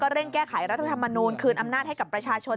เร่งแก้ไขรัฐธรรมนูลคืนอำนาจให้กับประชาชน